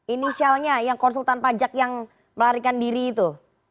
inisialnya yang konsultan pajak yang melarikan diri itu